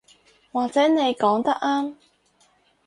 或者你講得啱